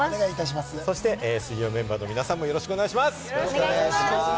そして水曜メンバーの皆さんもよろしくお願いします。